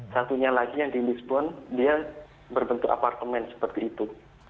satunya lagi yang di lisbon dia berbentuk apartemen seperti itu